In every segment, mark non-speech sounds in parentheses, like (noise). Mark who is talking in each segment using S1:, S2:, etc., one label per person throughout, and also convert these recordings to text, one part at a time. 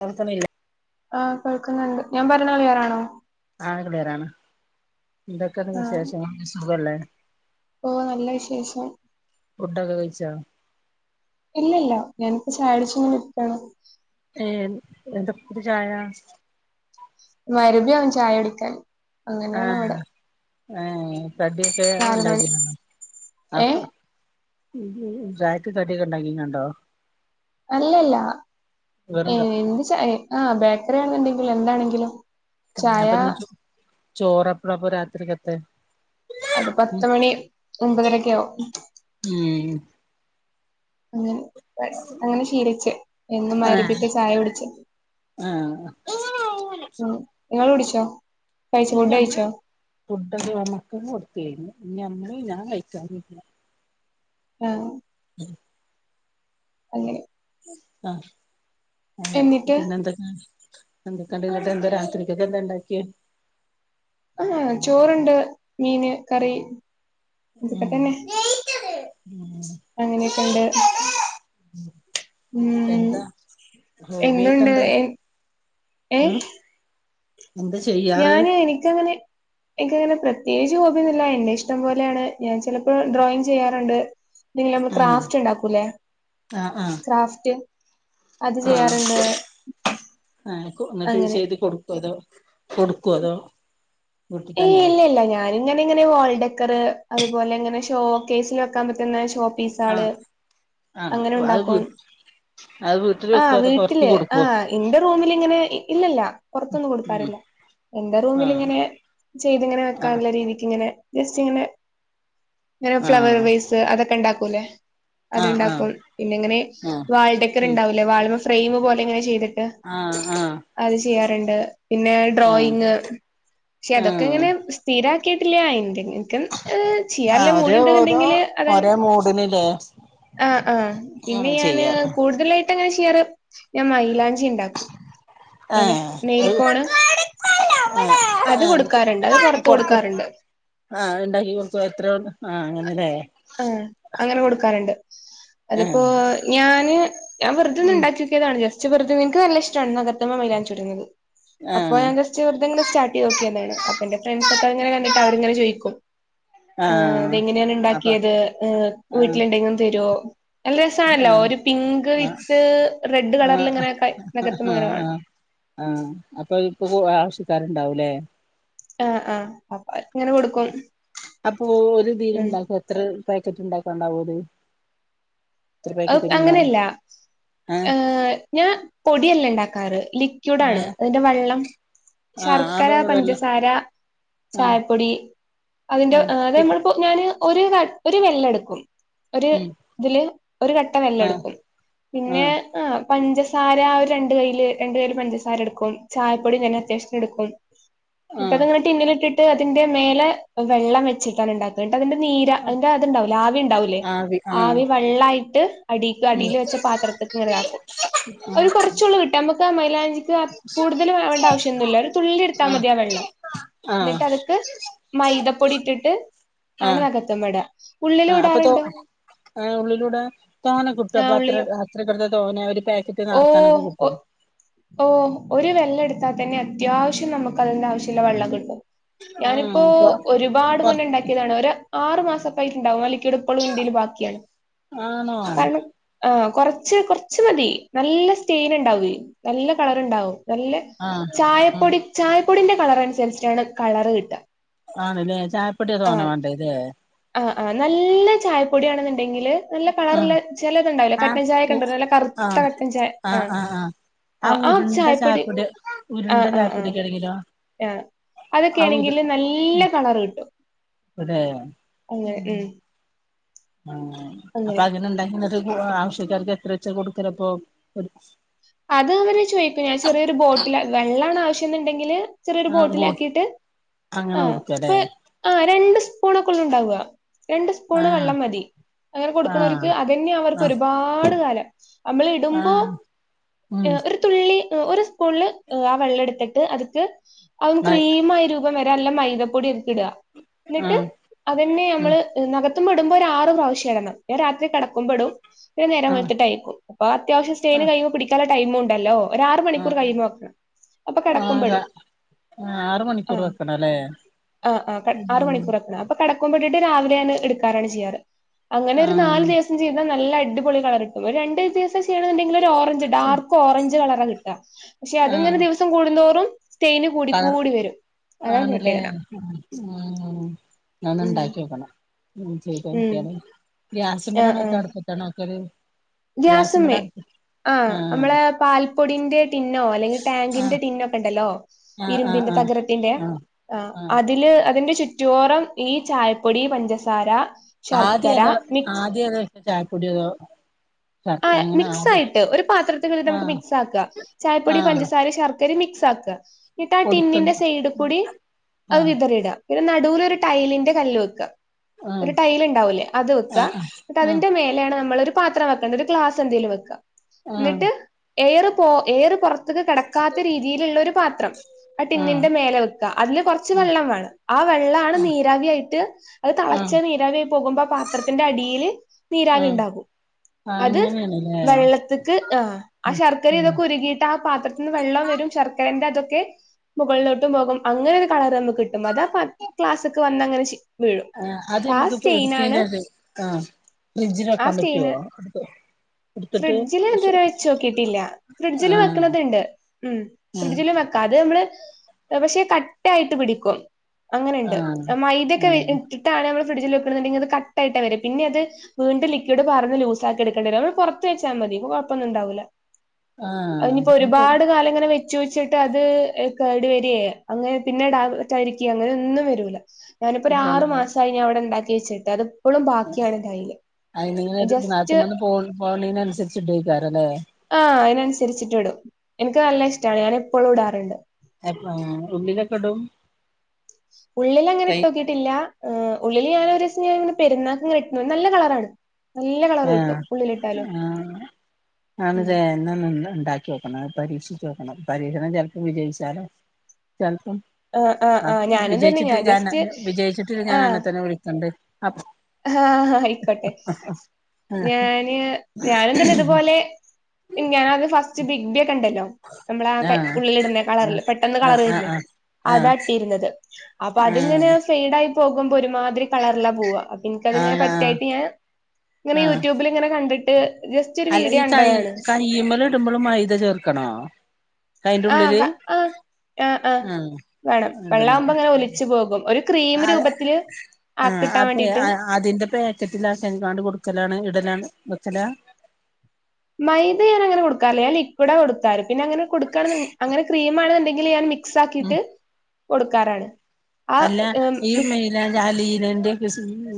S1: കേൾക്കുണില്ല
S2: ആഹ് കേൾക്കുന്നുണ്ട് ഞാൻ പറയണ് ക്ലിയറാണോ
S1: ആ ക്ലിയറാണ് എന്തൊക്കെ ഇണ്ട് വിശേഷങ്ങള് സുഖല്ലേ
S2: ഓ നല്ല വിശേഷം
S1: ഫുഡൊക്കെ കഴിച്ചോ
S2: ഇല്ല ഇല്ല ഞാനിപ്പോ ചായ കുടിച്ചോണ്ട് ഇരിക്കാണ്
S1: ഏഹ് എന്താ ഇപ്പൊരു ചായ
S2: മഗ് രിബി ആവും ചായ കുടിക്കാൻ അങ്ങനെയാണ്
S1: ആഹ്
S2: ഇവിടെ
S1: ഏഹ് കടിയൊക്കെ
S2: നാല് മണി
S1: ഇണ്ടാക്കിയിരുന്നോ അപ്പൊ
S2: ഏഹ്
S1: ചായക്ക് കടിയൊക്കെ ഉണ്ടാക്കിക്ക്ണ്ണ്ടോ
S2: അല്ലല്ല
S1: വെറും
S2: ഏ
S1: ക
S2: എന്ത് ചായ ബേക്കറി ആണുണ്ടെങ്കിലും എന്താണെങ്കിലും ചായ
S1: അപ്പൊ ഇഞ്ഞി ചോറ് എപ്പഴാ അപ്പൊ രാത്രിക്കത്തെ ഉം
S2: അത്പത്തു മണി ഒമ്പതരക്കെയാവും
S1: ഉം
S2: അങ്ങനെ അങ്ങനെ ശീലച്ച് എന്നും
S1: ആ
S2: മഗ് രിപിക്ക് ചായ കുട്ച്
S1: ആ
S2: ഉം ഇങ്ങള് കുടിച്ചോ കഴിച്ചോ
S1: ഇനി
S2: ഫുഡ്
S1: നമ്മള്
S2: കഴിച്ചോ
S1: ഫുഡ് ഒക്കെ മക്കക്ക് കൊടുത്തിരുന്നു ഇനി നമ്മള് ഞാൻ കഴിക്കാറില്ല
S2: ഓ
S1: ഉ
S2: അങ്ങനെ
S1: ആഹ് അങ്ങനെ
S2: എന്നിട്ട്
S1: പിന്നന്തൊക്ക ഉം എന്തൊക്കെണ്ട് എന്താ രാത്രിക്കൊക്കെ എന്താ ഉണ്ടാക്കിയ
S2: ആഹ് ചോറ് ഉണ്ട് മീന് കറി
S1: ഉം
S2: ഇതൊക്കെ തന്നെ
S1: ഉം
S2: അങ്ങനെയൊക്കെണ്ട് ഉം
S1: എന്താ
S2: എന്ത്
S1: ഹോബിയായിട്ട്
S2: ഉണ്ട്
S1: എന്താ
S2: എൻ
S1: ഉം
S2: ഏഹ്
S1: എന്താ ചെയ്യ്
S2: ഞാന് എനിക്കങ്ങനെ എനിക്കങ്ങനെ പ്രത്യേകിച്ച് ഹോബിയൊന്നുല്ല എന്റെ ഇഷ്ടം പോലെയാണ് ഞാൻ ചിലപ്പോ ഡ്രോയിങ് ചെയ്യാറുണ്ട് പിന്നെമ്മള്
S1: ഉം
S2: ക്രാഫ്റ്റ് ഉണ്ടാക്കൂലെ
S1: ആഹ് ആഹ്
S2: ക്രാഫ്റ്റ് അത്
S1: ആഹ്
S2: ചെയ്യാറുണ്ട്
S1: അ ഇങ്ങക്ക്
S2: അങ്ങനെ
S1: ചെയ്ത് കൊടുക്കെ അതോ കൊടുക്കോ അതോ വീട്ടിൽ
S2: ഏയ്
S1: തന്നെ
S2: ഇല്ല ഇല്ല ഞാൻ ഇങ്ങനെ ഇങ്ങനെ വോൾ ഡെക്കർ അതുപോലെ ഉങ്ങനെ ഷോകേസിൽ വെക്കാൻ പറ്റുന്ന ഷോപ്പ പിസാള്
S1: ആഹ് ആഹ്
S2: അങ്ങനെ
S1: അത് വീ
S2: ഉണ്ടാക്കും
S1: അത് വീട്ടിൽ വെക്കോ
S2: ആഹ്
S1: അതോ പൊറത്ത്
S2: വീട്ടില്
S1: കൊടുക്കോ
S2: ആഹ് എന്റെ റൂമിലിങ്ങനെ ഇല്ലല്ല പുറത്തൊന്നും
S1: ഉം
S2: കൊടുക്കാറില്ല എന്റെ
S1: ആഹ്
S2: റൂമിലിങ്ങനെ
S1: ആഹ്
S2: വെക്കാനുള്ള രീതിക്ക് ഇങ്ങനെ ജസ്റ്റ്‌ ഇങ്ങനെ
S1: ആഹ്
S2: ഫ്ലവർവേസ് അതൊക്കെ ഉണ്ടാക്കൂല്ലേ അത്
S1: ആഹ് ആഹ്
S2: ഇണ്ടാക്കും. പിന്നെങ്ങനെ
S1: ആഹ്
S2: വാൾഡക്കർ
S1: ഉം
S2: ഉണ്ടാ ലെ വാൽവ് ഫ്രയിം പോലെങ്ങനെ ചെയ്തി
S1: ആഹ് ആഹ്
S2: അത് ചെയ്യാറുണ്ട് പിന്നെ
S1: ആഹ്
S2: ഡ്രോയിങ് പക്ഷെ അതൊക്കെ
S1: ആഹ്
S2: ഇങ്ങനെ സ്ഥിരാക്കിയിട്ടില്ല. എന്തെങ്കിലൊക്കെ ഏ ചെയ്യാന്ല്ല
S1: ആഹ് ഓരോ ഓരോ
S2: മൂടണ്ടെന്നണ്ടെങ്കില് അത
S1: ഓരോ മൂഡിനില്ലേ
S2: ആ ആഹ പിന്നെ
S1: ആഹ്
S2: ഞാന്
S1: ചെയ്യാറ്
S2: കൂടുതലായിട്ട് ങ്ങനെ ചെയ്യാറ് ഞാൻ മൈയിലാഞ്ചി ഉണ്ടാക്ക അതെ നെയ്ൽക്കോണ്
S1: ആ
S2: അത്
S1: ആന്നിട്ട്
S2: പുറത്ത്
S1: പൊറ്ത്ത്
S2: കൊടുക്കാറുണ്ട്
S1: ആഹ് ഉണ്ടാക്കികൊടുകു എത്രവേ ആഹ് അങ്ങനെല്ലേ
S2: ആ അങ്ങനെ കൊടുക്കാറുണ്ട്.
S1: ആ
S2: അതിപ്പോ ഞാന് ഞൻ വെറുതൊന്ന്
S1: ഉം
S2: ഉണ്ടാക്കി നോക്കിയതാണ് ജസ്റ്റ് വെറുത എനിക്ക് നല്ല ഇഷ്ടമാണ് നഗത്തിമ്മ മൈലാഞ്ചി ഇടുന്നത്
S1: ആ
S2: അപ്പൊ ഞാൻ ജസ്റ്റ് വെർതങ്ങനെ സ്റ്റാർട്ട് ചെയ്ത് നോക്കിയതാണ് അപ്പോ എന്റെ ഫ്രണ്ട്സ് ഒക്കെ അതിങ്ങനെ കണ്ടിട്ട് അവരിങ്ങനെ ചോദിക്കും
S1: ആ
S2: ഏ അതെങ്ങനെയാണ്
S1: അപ്പ
S2: ഉണ്ടാക്കിയത് ഏഹ്
S1: ആ
S2: വീട്ടില് എന്തെങ്കിലും തരുമോ? നല്ല
S1: ആ
S2: രസമാണല്ലോ ഒരു പിങ്ക്
S1: ആ ആ
S2: വിത്ത് റെഡ് കളറിൽ ഇങ്ങനെ നഗത്തുമ്മെ ഇങ്ങനെ കാണും
S1: ആഹ് അപ്പൊ ഇപ്പൊ ആവശ്യക്കാരുണ്ടാവുംല്ലേ?
S2: ആഹ് ആഹ് അപ്പ ഇങ്ങനെ കൊടു
S1: അപ്പൊ ഒരുതില് ഉണ്ടാക്കുമ്പോ എത്ര പാക്കറ്റ് ഉണ്ടാക്കാൻ ഉണ്ടാവോത്?
S2: അത് അങ്ങനെയല്ല ആ ഞാൻ പൊടിയല്ല ഉണ്ടാക്കാറ് ലി
S1: ആ
S2: ക്യൂടാണ് അതിന്റെ വെള്ളം
S1: ആ അത്
S2: ശർക്കര
S1: വെള്ളം
S2: പഞ്ചസാര
S1: ആ
S2: ചായപ്പൊടി അതിന്റെ
S1: ആ
S2: അത് നമ്മള് ഇപ്പൊ ഞാന് ഒരു ഒരു വെള്ളം എടുക്കും ഒരു
S1: ഉം
S2: ഇതില് ഒരു കട്ട
S1: ആ
S2: വെല്ലെടുക്കും പിന്നെ- ആ പഞ്ചസാര ആ ഒരു രണ്ട് കയ്യിയില് രണ്ട കയില് പഞ്ചസാര എടുക്കും ചായപ്പൊടി ഞാൻ അത്യാവശ്യത്തിം എടുക്കും
S1: ആ
S2: എന്നിട്ടത് ഇങ്ങനെ ടിന്നിലിട്ടിട്ട് അതിന്റെ മേലെ വെള്ളം വെച്ചിട്ടാണ് ഉണ്ടാക്കുന്നത് എന്നട്ട് അതിന്റെ നീര അന്റെ അത്ണ്ടാവലേ ആവി ഉണ്ടാവൂലെ ആവി വെള്ളായിട്ട് അടിക്ക്
S1: ഉം
S2: അടിൽ വെച്ച പാത്രത്തക്ക ഇങ്ങ ഇതാക്കും
S1: ആഹ്
S2: അവര് കുറച്ചൂള് കിട്ട നമുക്ക് ആ മൈലാഞ്ചിക്ക് കൂടുതൽ വേണ്ട ആവിശ്യം ഒന്നുമല്ല ഒരു തുള്ളില എടുത്താൽ
S1: ആഹ്
S2: മതിയാ വെള്ളം
S1: ആഹ്
S2: എന്നിട്ട് അതക്ക് മൈദപ്പൊടി ഇട്ടിട്ട് ആണ്
S1: ആഹ്
S2: നഗത്തമ്പട ഉള്ളിൽ വിടാറുണ്ട്
S1: ആ ഉള്ളിലൂടെ തോനെ കിട്ടും
S2: ആഹ്
S1: അപ്പൊ അത്ര
S2: ഉള്ളിലും.
S1: അത്ര കൃത തോന്നെ അവര് പറ്റ്
S2: ഓ
S1: നടത്താനൊക്കെ
S2: ഒ
S1: കിട്ടോ
S2: ഓ ഒരു വെള്ളം എടുത്താൽ തന്നെ അത്യാവശ്യം നമുക്ക് അതിന്റെ ആവശ്യമില്ല വെള്ളം കിട്ടും ഞാനിപ്പോ
S1: ആഹ് പൊ
S2: ഒരുപാട്
S1: പൊർ
S2: മുന്ന ഉണ്ടാക്കിയതാണ് ഒരു ആറു മാസപ്പയിട്ടുണ്ടാവും അലിക്കട് എപ്പോളും ഇന്ത്യൽ ബാക്കിയാണ്
S1: ആണോ ആഹ്
S2: കാരണം കുറച്ച് കുറച്ച് മതി നല്ല സ്റ്റെയിൻ ഉണ്ടാവു നല്ല കളർ ഉണ്ടാവും നല്ല
S1: ആഹ് ആഹ്
S2: ചായപ്പൊടി ചായപ്പൊടിന്റെ കളർ അനുസരിച്ചട്ടാണ് കളറ് കിട്ടുക
S1: ആണല്ലേ ചായപ്പൊട്ടിയ തോന്ന വേണ്ട ഇതേ
S2: ആഹ ആ നല്ല ചായപ്പൊട ആണെന്നുണ്ടെങ്കില് നല്ല
S1: ആഹ്
S2: കളറില ചില ഇതുണ്ടാവില്ലോ
S1: ആഹ്
S2: കട്ടൻ ചായ ഒക്കെ
S1: ഉ
S2: ഉണ്ടാവ നല്ല കറുത്ത
S1: ആഹ്
S2: കട്ടൻ ചായ
S1: ആഹ്
S2: ആ
S1: ആഹ് ആഹ്
S2: ആ ആഹ ചായപ്പൊടി
S1: ഉരുണ്ട
S2: ആഹ ആഹ ആഹ
S1: ചായപ്പൊടിയൊക്കെ ആണെങ്കിലോ
S2: ആഹ
S1: ആ ഉരു
S2: അതൊക്കെയാണെങ്കില് നല്ല കളർ കിട്ടും
S1: അടെ
S2: ഉ ഉം
S1: ആ അപ്പൊ അങ്ങനെ ഉണ്ടിന ആവശ്യക്കാർക്ക് എത്ര വെച്ച കൊടുക്കലപ്പൊ
S2: അത് അവര് ചോദിക്കും ഞാൻ ചെറിയൊരു ബോട്ടിൽ വെള്ളാണ് ആവശ്യം എന്നുണ്ടെങ്കില് ചെറിയൊരു
S1: ആഹ്
S2: ബോട്ടില
S1: ബോ
S2: ആാക്കിയിട്ട് ആ
S1: അങ്ങനെ കൊടുക്കല്ലേ
S2: അപ്പ ആ രണ്ട് സ്പൂണൊക്കെള്ള ഉണ്ടാവുക രണ്ട് സ്പൂണ്
S1: ആഹ്
S2: വെള്ളം മതി അങ്ങനെ കൊടുക്കണവർക്ക്
S1: ആഹ്
S2: അതന്നെയ അവർക്ക്
S1: ആഹ്
S2: ഒരുപാട് കാലം നമ്മൾ ഇടുമ്പോ
S1: ആഹ് ഉം
S2: ഒരു തുള്ളി ഒരു സ്പൂണിൽ ആ വെള്ളം എടുത്തിട്ട് അതക്ക് അ
S1: ആഹ്
S2: ക്രീമായി ഒരു വരെല്ലാം മൈദപ്പൊടി എക്ക ഇടുക എന്നിട്ട് അതന്നെ
S1: ഉം
S2: നമ്മള് നകത്തുമ പെടുമ്പോ ഒ ആറു പ്രാവശ്യംടണം ഞാൻ രാത്രി കടക്കുമ്പോെടും പിന്ന നേര
S1: ആഹ്
S2: വെളുത്തിട്ട്യക്കും അപ്പൊ അത്യാവശം സ്റ്റെയിന്
S1: ആഹ്
S2: കഴിയുമ്പോ പിടിക്കാന ടൈം ഉണ്ടല്ലോ ഒരാർ മണിക്കൂർ
S1: ആഹ്
S2: കഴിയുമ്പോ നോക്കണം അപ്പൊ കിടക്കുമ പെടും
S1: ആഹ് ആഹ് ആറ് മണിക്കൂർ
S2: ആഹ
S1: വെക്കണല്ലേ
S2: ആഹ ആ ആറ
S1: ഉം
S2: മണിക്കൂർക്കണ അൊ കടക്ക പട്ടിട്ട് രാവിലെയാണ് എടുക്കാറാണ് ചെയ്യാറ് അങ്ങനെ ഒരു
S1: ആഹ്
S2: നാല് ദിവസം ചെയ്താ നല്ല അടിപൊളി കളർ ഇട്ടും ഒരു രണ്ട് ദിവസം ചെയ്യണണ്ടെങ്കിൽ ഒരു ഓറഞ്ച് ഡാർക്ക് ഓറഞ്ച് കളറ കിട്ടുക പക്ഷെ അതിങ്ങനെ
S1: ആഹ്
S2: ദിവസം കൂടുന്തോറും സ്റ്റെയിന് കൂടി
S1: കളർ
S2: കൂടി വരും അതാണ്
S1: ആണല്ലേ
S2: പ്രത്യേകത
S1: ഞന്ന
S2: ഉം
S1: ഉണ്ടാക്കി വക്കണം ഉ ശട്ട
S2: ഉം
S1: ഓക്കാല
S2: ആഹ്
S1: ഗ്യാസമരണോക്ക
S2: ആഹ്
S1: അടുപ്പത്തണോക്കല്
S2: ഗ്യാസുമ്മേ
S1: ഗ്യാസമലടത്തി
S2: ആഹ് അമ്മളെ പാൽപ്പൊടിന്റെ ടിന്നോ അല്ലെങ്കിൽ
S1: ആഹ്
S2: ടാങ്കിന്റെ ടിന്നൊക്കെ ഇണ്ടല്ലോ
S1: ആഹ് ആഹ്
S2: ഇരുമ്പിന്റെ തകരത്തിന്റെ
S1: ആഹ് ആഹ്
S2: ആഹ് അത് അതില് അതിന്റെ ചുറ്റുവോറം ഈ ചായപ്പൊടി പഞ്ചസാര
S1: ആദ്യ
S2: ശർക്കര
S1: ഏതാ
S2: മിക്സ്
S1: ആദ്യ ഏതാ ഇട്ടെ ചായപ്പൊടിയതോ
S2: ആയെ മിക്സ് ആയിട്ട് ഒരു പാത്രത്തിൽ ഒരിതമുക്ക്
S1: ആഹ്
S2: മിക്സ് ആക്ക, ചായപ്പൊടി
S1: ആഹ്
S2: പഞ്ചസാര ശർ ക്കരേം മിക്സ് ആക്കുക. എന്നിട്ട് ആ
S1: പൊടിക്കണ്ട
S2: ടിന്നിന്റെ സൈഡ് കൂടി അത്
S1: ആഹ്
S2: വിതറിട ഒരു നടൂല് ഒരു ടൈലിന്റെ കല്ല് വെക്ക
S1: ആഹ്
S2: ഒരു ടൈൽ ഇണ്ടാവൂലേ അത് വെക്കുക
S1: ആഹ് ആഹ്
S2: എന്നിട്ടതിന്റെ മേലെയാണ് നമ്മളൊരു പാത്രം വക് ക്ക. എന്നിട്ട് ക്ലാസ് എന്തേലും വെക്ക
S1: ആഹ്
S2: എന്നിട്ട് എയറ് പോ എയറ് പൊർ ത്ത്ക്ക് കടക്കാത്ത രീതിയിലുള്ള ഒരു പാത്രം ആ
S1: ആഹ്
S2: ടിന്നിന്റെ മേല വെക് അതില് കുറച്ച്
S1: ആഹ്
S2: വെള്ളം വേണം ആ വെള്ളാണ്
S1: ആഹ്
S2: നീരാവി ആയിട്ട് അത്
S1: ആഹ് ആഹ്
S2: തളച്ച നീരവി പോകുമ്പോ ആ പാത്രത്തിന്റെ അടിയില് നീരാവി
S1: ആഹ്
S2: ഇണ്ടാകും അത്
S1: അങ്ങനെയാണല്ലേ
S2: വെള്ളത്ത്ക്ക് ആഹ് ആ
S1: ഉം
S2: ശർക്കരീ
S1: ഉം
S2: തൊക്കെ ഉരുകീട്ട് ആ പാത്ര ന്ന് വെള്ളം വരും ശർക്കരേന്റെ അതൊക്കെ മുകൾലോട്ടും പോകും അങ്ങനൊരു കളറ് നമ്മുക്ക് കിട്ടും അതാ ഫസ്റ്റ് ക്ലാസ്സ്ക്ക് വന്നങ്ങനെ ശി
S1: ആഹ് അത് ഞമ്മക്ക്പ്പോ എട്ത്തയിന്റെഷേ ആഹ് ഫ്രിഡ്ജില് വെക്കാം പറ്റോ
S2: ഫ്രിഡ്ജില്ത് വരെ വെച്ചോക്കിട്ടില്ല ഫ്രിഡ്ജില്
S1: ആഹ്
S2: വെക്ക്ണത് ണ്ട് ഉം
S1: ആഹ്
S2: ഫ്രിഡ്ജില് വെ കാത് യമ്മള് പക്ഷെ കട്ടായിട്ട് പിടിക്കും അങ്ങനെണ്ട്
S1: ആഹ്
S2: അം മൈതക്കെ വെ
S1: ആഹ്
S2: ട്ടാണ് നമ്മൾ ഫ്രിഡ്ജില് വെക്ണ് ന്ന്ണ്ടെ ങ്കീ അത് കട്ടെയിട്ടാ വെരാ പിന്നെ അത് വീണ്ടും ലിക്വിഡ് പാർന്ന് ലൂസ് സാക്കി എട് കണ്ടി വരും നമ്മൾ പൊർത്ത് വെയ്ച്ചാ മതി അപ്പോ കൊഴപ്പൊന്നുണ്ടാവൂല
S1: ആഹ്
S2: അയ്നിപ്പോ ഒരു
S1: അപ്പം
S2: പാട് കാലം ങ്ങനെ വയ് ചോയ്ച്ചിട്ട് അത് ഏഹ് കേട് വെരെ അങ്ങനെ പിന്നെ ടാതെ ക്കാരിക്ക അങ്ങനെ ഒന്നും വരൂല ഞാനിപ്പോ ഒര് ആറ്
S1: ഇല്ലല്ലേ
S2: മാസായി ഞാൻ വിടെ ഇണ്ടാക്കി വെച്ചിട്ട് അത് പ്പളും ബാക്കിയാണ് കൈല് ജസ്റ്റ്
S1: നഖത്തുമ്മന്ന് പോൺ പോണീനൻസര്ച്ച്ട്ട് ആയ്ക്കാരം അല്ലേ
S2: ആഹ് അയിനൻസരിച്ചിട്ട് ഇടും എനിക്ക് നല്ല ഇഷ്ടാണ് ഞാനപ്പൊഴും ഇടാറുണ്ട്
S1: അര്‌ന്നോ ഉള്ളിലൊക്കെ ടും
S2: ഉള്ളിലങ്ങനെ ഇട്ടോക്കീട്ടില്ലാ എഹ് ഉള്ളില് ഞാന് ഒരോസം ഞൻെ ങ്ങനെ പെരുന്നാക്ക് ഇങ്ങനെ ഇട്ന്നു നല്ല കളറാണ് നല്ല കളർ
S1: ആഹ്
S2: കിട്ടും ഉള്ളിലിട്ടാലും
S1: ആഹ് ആണ്
S2: ഉം
S1: ലെ ന്നാ ന്നൊന്ന് ണ്ടാക്കി ക്കിയോക്കണം. പരീക്ഷിച്ചോക്കണം പരീക്ഷണം ചെൽപ്പോ വിജയിച്ചാലോ ചെൽപ്പം ആഹ്
S2: ഞാനും തന്നെ ഞാൻ
S1: വിജയിച്ചിട്ട്
S2: ജസ്റ്റ്
S1: ഞാൻന്നെ വിജയിച്ചിട്ട് ഞാന്
S2: ആഹ്
S1: അന്നെ തന്നെ വിളിക്കണ്ട്. അപ്
S2: ആഹ് അയിക്കോട്ടെ
S1: ആഹ്
S2: ഞാന് ഞാനെന്നെന്നെ ഇതുപോലെ ഞാനത് ഫസ്റ്റ് ബിഗ് ബി ഒക്കെ ഇണ്ടല്ലോ നമ്മള ആ കൈ
S1: ആഹ്
S2: ഉള്ളിലിടുന്ന കളറ് ല്ലെ പെട്ടെന്ന് കളർ
S1: ആഹ്
S2: വരുന്നേ
S1: ആഹ്
S2: അതാ
S1: ആഹ്
S2: ഇട്ടീരുന്നത്. അപ്പൊ
S1: ആഹ്
S2: അത് ങ്ങനെ
S1: ആഹ്
S2: ഫെയ്ഡ് ആയി പോകുമ്പോ ഒരുമാതിരി കളർലാ പോവാ ഇൻക്കത് ഇങ്ങനെ
S1: ആഹ് ആഹ്
S2: പറ്റായിട്ട് ഞാൻ ഇങ്ങനെ
S1: ആഹ്
S2: യൂട്യൂബില് ഇങ്ങനെ കണ്ടിട്ട് ജസ്റ്റ് ഒരു വീഡിയോ കണ്ടതാണ്
S1: തീയിമ്മല് ഇടുമ്പളും മൈദ ചേർക്കണോ അയിന്റെ
S2: ആ
S1: ഉള്ളില്
S2: ക- ആ ആ ആ
S1: ആഹ് ഉണ്ടെന്നാ
S2: പോം പോം ഒരു ക്രീ
S1: അതെ ആഹ് അപ്പൊ
S2: വേണ്ടിട്ട്
S1: ആ അതിന്റെ പാക്കറ്റില ആക്കിക്കാണ്ട് കൊടുക്കലാണ് ഇടലാണ് വിക്കലാ
S2: മൈദ ഞാനങ്ങനെ കൊടുക്കാറില്ല ഞാൻ ലിക്വിഡാ കൊടുക്കാറ് പിന്നെ അങ്ങനെ കൊടുക്കാണ്ന്ന് അങ്ങനെ ക്രീമാണ് ന്ന്ണ്ടെങ്കില് ഞാൻ മിക്
S1: ഉം
S2: ക്സാക്കിട്ട് കൊടുക്കാറാണ് ആഹ് ഏം ലിക്
S1: ലലാ ലീനന്റെ യ്ക്കെ കിസ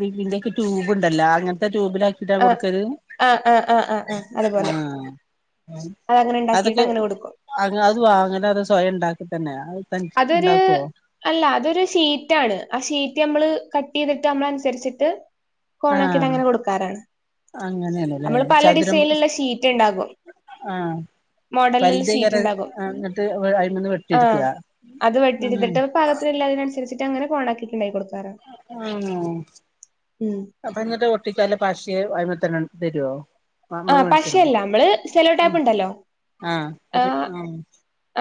S1: ബിഗ് ബിൻ്റെ ക്കെ ട്യൂബ്ഉണ്ടല്ലോ അങ്ങനത്തെ ട്യൂബിലാ ക്കിട്ടാ
S2: ആ
S1: കൊടുക്കല്
S2: ആ ആ ആ ആ ആ അതുപോലെ
S1: ആഹ് ഏം
S2: അതങ്ങനെ ഉണ്ടാക്കിയിട്ട്
S1: അതൊക്കെ
S2: അങ്ങനെ കൊടുക്കും
S1: അത് അത് വാങ്ങന അത് സ്വയം ഉണ്ടാക്കി തന്നെയാവ്
S2: അതൊരൂ അല്ല അതൊരു ഷീറ്റാണ് ആ ഷീറ്റ് നമ്മള് കട്ട് ചെയ്തിട്ട് നമ്മളൻസരിച്ചിട്ട് ക്കോണക്കിട്ട്
S1: ആഹ്
S2: അങ്ങനെ കൊടുക്കാറാണ്
S1: അങ്ങനെയാണല്ലേ
S2: അമ്മള് പല
S1: ചതുരം
S2: ഡിസൈൻ ല്ള്ള ഷീറ്റ്ണ്ടാകും
S1: ആഹ് വൽതെയ്കാരം അത്
S2: ഉണ്ടാകും
S1: ആഹ് എന്നിട്ട് അയിമന്ന്
S2: ആഹ്
S1: വെട്ടിട്ക്കാ
S2: അത് വെട്ടി ഇട്ത്തിട്ട് പാകത്തിൻ ള്ളെയിനൻസരിച്ചിട്ട് അങ്ങനെ കോണക്കിയിട്ട് ഇണ്ടാക്കി കൊടുക്കാറാ
S1: അഹ് ആഹ്
S2: ഉം
S1: അപ്പൊ എന്നിട്ട് ഒട്ടിക്കാൻല്ല പശെ അയ്മ തന്നെ തരുവോ നമ്മള്
S2: ആഹ്
S1: മേടിച്ചിണോ
S2: പശയല്ല അമ്മള് സെല്ലോടാപ്പ്ണ്ടല്ലോ
S1: ആഹ് അത്
S2: ആഹ്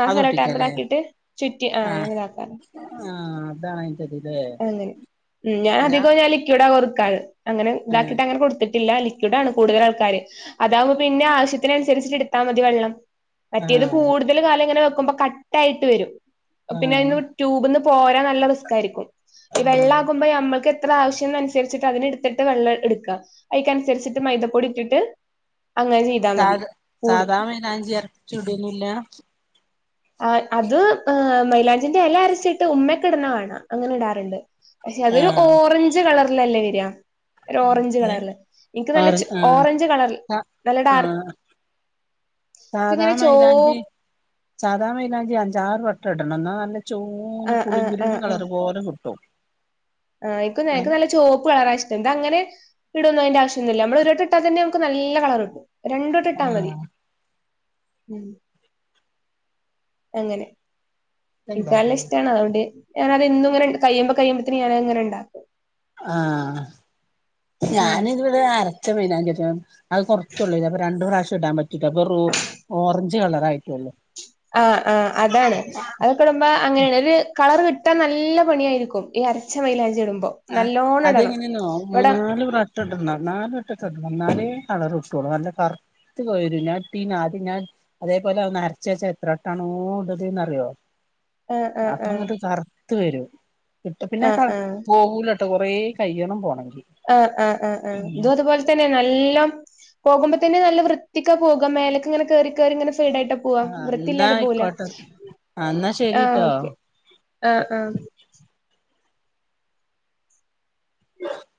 S2: ആഹ്
S1: അതൊട്ടിക്കല്ലേ
S2: സെലോടാപ്പിലാക്കീട്ട് ചുറ്റി ആഹ് അങ്ങനെ താക്കാ
S1: ആഹ് അതാണയ് (unintelligible)
S2: അങ്ങനെ ഉം ഞാൻ അധികം ഞാലിക്വിഡാ കൊട്ക്കാറ് അങ്ങനെ
S1: ആഹ്
S2: താക്കിട്ട് അങ്ങനെ കൊടുത്തിട്ടില്ലാലി ക്വിഡാണ് കൂടുതൽ ആൾക്കാര് അതാവുമ്പോ പിന്നെ ആവശ്യത്തിനനുസരിച്ചിട്ട് എടുത്താമതി വെള്ളം മറ്റീയത്
S1: ആഹ്
S2: കൂടുതൽ കാലങ്ങനെ വെക്കുമ്പോ കട്ട ആയിട്ട് വരും പിന്നെ അയിന്ന്
S1: ആഹ്
S2: വി ട്യൂബിൽ നിന്നുപോരാൻ നല്ല റിസ്കായിരിക്കും ഈ വെള്ളം
S1: ആഹ്
S2: ആകുമ്പോ ഞമ്മൾക്ക്. എത്ര ആവശ്യമെന്നനുസരിച്ചട്ട് അതിന് എടുത്തിട്ട് വെള്ളം എടുക്കുക അതിനനുസരിച്ചിട്ട് മൈദാപ്പൊടി ഇട്ടിട്ട് അങ്ങനെ ചെയ്യും.
S1: സാദ് സാദാമൈലാഞ്ചിയരച്ചിട്ടീലൊന്നുമില്ലാ
S2: ആഹ് അത്‌ മൈലാഞ്ചീന്റെയില അരച്ചിട്ട് ഉമ്മയൊക്കെയിടുന്ന കാണാം അങ്ങനെ ഇടാറുണ്ട്. പക്ഷേയതൊരു
S1: ആഹ്
S2: ഓറഞ്ചു കളറിലല്ലേ വരിക ഒരു
S1: ഏഹ്
S2: ഓറഞ്ചുകളറില് എനിക്കു നല്ല
S1: ആറ് ആഹ്
S2: ഓറഞ്ചു കളറില്
S1: സ
S2: നല്ലഡാർക്ക്
S1: ആഹ് സാധാ മൈലാഞ്ചി സാദാമൈലാഞ്ചി അഞ്ചാറു വട്ടമിടണം എന്നാനല്ല ചൂന്ന്
S2: ആഹ് ആഹ്
S1: പുളിങ്കുരുവിന്റെ
S2: ആഹ് ആഹ്
S1: കളർ പോലെ കിട്ടും
S2: ആഹ് ഇപ്പം (unintelligible) ചോപ്പുകളറായിഷ്ടം ഇതങ്ങനെ ഇടുവൊന്നതിന്റെയാവശ്യ ഒന്നുമില്ല നമ്മളൊരുവട്ടമിട്ടാൽ തന്നെ നമുക്ക് നല്ലകളറു കിട്ടും രണ്ടു വട്ടമിട്ടാൽ മതി ഉം അങ്ങനെ
S1: ഇതെന്താത്
S2: എനിക്കാണേലിഷ്ടമാണ് അതുകൊണ്ട് ഞാനത് ഇന്നുമിങ്ങനെ കഴിയുമ്പം കഴിയുമ്പത്തേക്കും ഞാനങ്ങനെ ഉണ്ടാക്കും.
S1: ആഹ്
S2: ഉം
S1: ഞാനിതുവരെ അരച്ചമൈലാഞ്ചിയിടും അത് കുറച്ചെയുള്ളൂ ഇതിപ്പൊ രണ്ടു പ്രാവശ്യം ഇടാൻപറ്റില്ല അപ്പൊ (unintelligible) ഓറഞ്ചുകളറായിട്ടുള്ളു
S2: ആഹ് ആഹ് അതാണ് അതൊക്കെയിടുമ്പം അങ്ങനെയുളളയൊരു കളർ കിട്ടാൻനല്ല പണിയായിരിക്കും ഈ അരച്ച മൈയിലാഞ്ചിയിടുമ്പോ
S1: ആഹ്
S2: നല്ലോണമിടണം ഇവിടെ
S1: ഇട്ടിട്ടുണ്ടോ ഞാനുമിട്ടിട്ടുണ്ട് എന്നാലെകളറ്കിട്ടുവുളളൂ നല്ല കറക്റ്റ് കിളിർത്തുപോലുംമില്ല ഞാനൊത്തിരി നാട്ടിഞാൻ അതേപോലെയൊന്നരച്ച വെച്ച എത്രവട്ടണോ ഇടുന്നേന്നറിയാവോ
S2: ആഹ് ആഹ്
S1: അപ്പൊ
S2: ആഹ്
S1: അങ്ങിട്ടുകറുത്തു വരും ഇപ്പ പിന്നെ
S2: ആഹ്
S1: കറു
S2: ആഹ്
S1: പോകൂലേട്ടോ കൊറേ കഴിയണം പോണെങ്കിൽ
S2: ആഹ് ആഹ് ആഹ് ആഹ് ഇതുമതുപോലെ ത പോകുമ്പത്തേനെ നല്ല പോകുമ്പോത്തേനുനല്ല വൃത്തിക്കുപോകും മേലേക്കിങ്ങനെ കേറി കേറിയിങ്ങനെ സൈഡായിട്ട് പോവും
S1: ആഹ് എന്നാ
S2: വൃത്തില്ലാതെ പോവില്ല
S1: ആയിക്കോട്ടെ ആഹ് എന്നാ
S2: ആഹ്
S1: ശരിട്ടോ
S2: ഓക്കെ ആഹ് ആഹ്